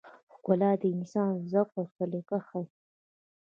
ښکلا د انسان ذوق او سلیقه ښيي.